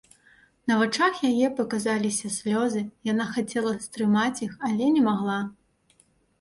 На вачах яе паказаліся слёзы, яна хацела стрымаць іх, але не магла.